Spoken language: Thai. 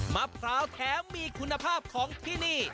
มะพร้าวแถมมีคุณภาพของที่นี่